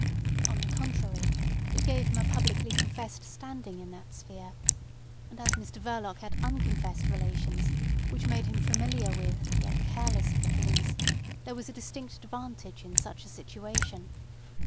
On the contrary, it gave him a publicly confessed standing in that sphere, and as Mr Verloc had unconfessed relations which made him familiar with yet careless of the police, there was a distinct advantage in such a situation.